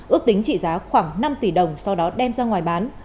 ước tính trị giá khoảng năm tỷ đồng sau đó đem ra ngoài bán